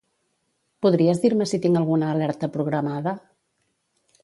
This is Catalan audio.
Podries dir-me si tinc alguna alerta programada?